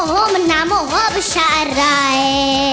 โอ้โฮมันน้ำโอ้โฮประชาอะไร